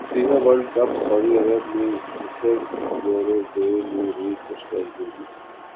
FIFA world cup سعودی عرب نے مصر یوروگوئے نے روس کو شکست دیدی